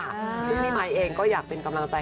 ซึ่งพี่มายเองก็อยากเป็นกำลังใจ